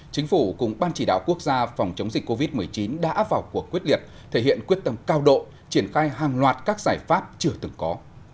chính phủ cùng ban chỉ đạo quốc gia phòng chống dịch covid một mươi chín đã vào cuộc quyết liệt thể hiện quyết tâm cao độ triển khai hàng loạt các giải pháp chưa từng có